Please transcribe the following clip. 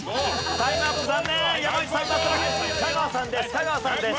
香川さんです